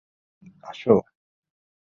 হেই, আসো!